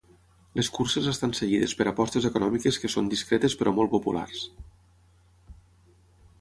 Les curses estan seguides per apostes econòmiques que són discretes però molt populars.